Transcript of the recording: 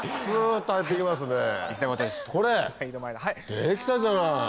出来たじゃない。